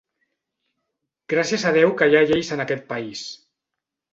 Gràcies a Déu que hi ha lleis en aquest país!